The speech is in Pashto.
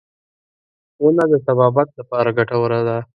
• ونه د طبابت لپاره ګټوره ده.